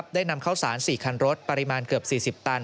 ได้นำเข้าสาร๔คันรถปริมาณเกือบ๔๐ตัน